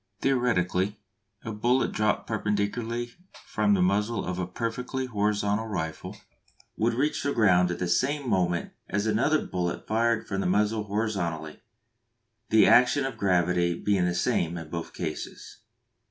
(Theoretically, a bullet dropped perpendicularly from the muzzle of a perfectly horizontal rifle would reach the ground at the same moment as another bullet fired from the muzzle horizontally, the action of gravity being the same in both cases.)